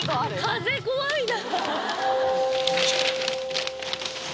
風怖いな！